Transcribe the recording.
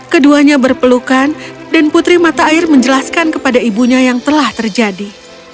keduanya berpelukan dan putri mata air menjelaskan kepada ibunya yang telah terjadi